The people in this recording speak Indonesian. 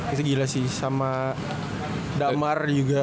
itu gila sih sama damar juga